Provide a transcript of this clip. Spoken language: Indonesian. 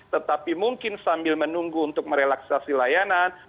tetapi mungkin sambil menunggu untuk merelaksasi layanan